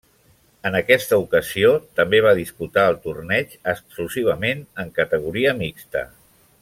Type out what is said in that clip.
En aquesta ocasió, també va disputar el torneig exclusivament en categoria mixta.